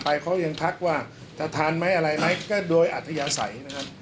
พี่น้องทุกท่านและคนทุกท่าน